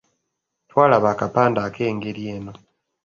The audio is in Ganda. Twalaba akapande ak’engeri eno.